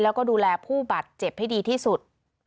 แล้วก็ดูแลผู้บาดเจ็บให้ดีที่สุด